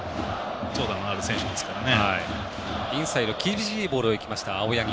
長打のある選手ですからね。